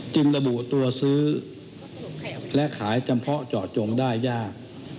ระบุตัวซื้อและขายจำเพาะเจาะจงได้ยาก